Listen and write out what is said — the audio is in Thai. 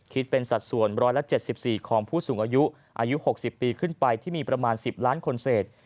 คิดเป็นสัดส่วน๑๗๔ของผู้สูงอายุอายุ๖๐ปีขึ้นไปที่มีประมาณ๑๐ล้านคนเศษ